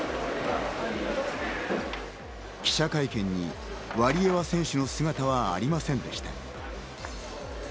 記者会見にワリエワ選手の姿はありませんでした。